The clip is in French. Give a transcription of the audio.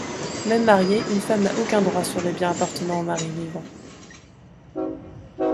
Même mariée, une femme n’a aucun droit sur les biens appartenant au mari vivant.